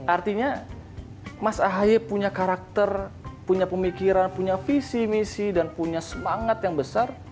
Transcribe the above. artinya mas ahaye punya karakter punya pemikiran punya visi misi dan punya semangat yang besar